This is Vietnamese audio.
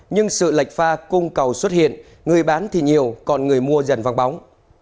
nhưng sự lệch pha cung cầu xuất hiện người bán thì nhiều còn người mua dần vắng bóng